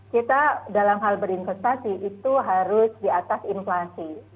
kita dalam hal berinvestasi itu harus di atas inflasi